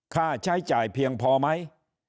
ค่าใช้จ่ายเพียงพอไหม